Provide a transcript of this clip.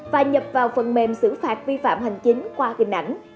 và nhập vào phần mềm xử phạt vi phạm hành chính qua hình ảnh